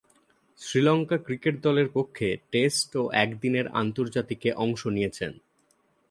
Sri Lanka cricket দলের পক্ষে test ও একদিনের আন্তর্জাতিকে অংশ নিয়েছেন।